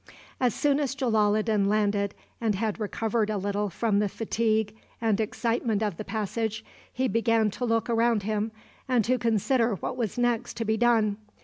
As soon as Jalaloddin landed, and had recovered a little from the fatigue and excitement of the passage, he began to look around him, and to consider what was next to be done.